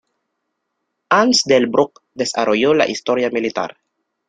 Hans Delbrück desarrolló la historia militar.